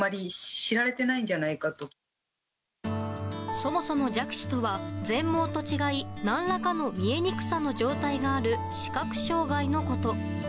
そもそも弱視とは全盲と違い何らかの見えにくさの状態がある視覚障害のこと。